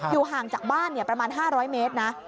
ห่างจากบ้านประมาณ๕๐๐เมตรนะ